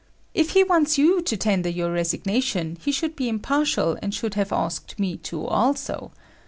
If he wants you to tender your resignation, he should be impartial and should have asked me to also.